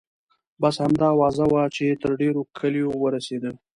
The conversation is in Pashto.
بس همدا اوازه وه چې تر ډېرو کلیو ورسیده.